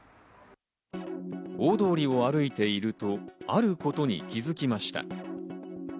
大通りを歩いていると、あることに気づきました。